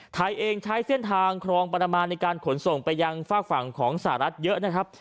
ไทยเองใช้เส้นทางครองประมาณในการขนส่งไปยังฝากฝั่งของสหรัฐเยอะนะครับ